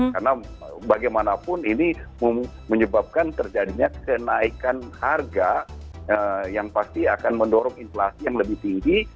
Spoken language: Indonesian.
karena bagaimanapun ini menyebabkan terjadinya kenaikan harga yang pasti akan mendorong inflasi yang lebih tinggi